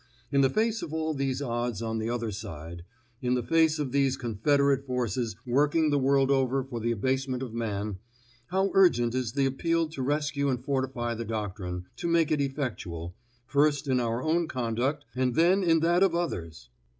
In the face of all these odds on the other side, in the face of these confederate forces working the world over for the abasement of man, how urgent is the appeal to rescue and fortify the doctrine, to make it effectual, first in our own conduct and then in that of others!